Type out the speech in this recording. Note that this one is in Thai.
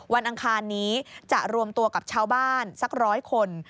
อังคารนี้จะรวมตัวกับชาวบ้านสักร้อยคน